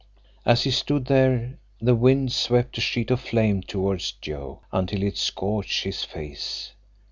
As he stood there the wind swept a sheet of flame towards Joe until it scorched his face.